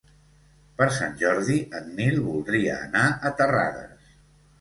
Per Sant Jordi en Nil voldria anar a Terrades.